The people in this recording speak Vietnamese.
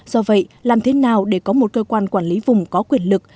do vậy làm thế nào để có một cơ quan quản lý vùng có quyền lực